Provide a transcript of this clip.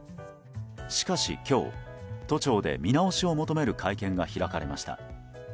しかし今日、都庁で見直しを求める会見が開かれました。